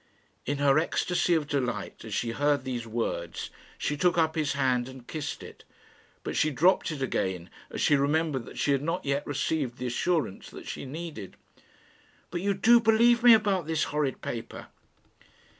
In her ecstasy of delight, as she heard these words, she took up his hand and kissed it; but she dropped it again, as she remembered that she had not yet received the assurance that she needed. "But you do believe me about this horrid paper?"